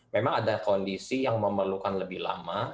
memang ada kondisi yang memerlukan lebih lama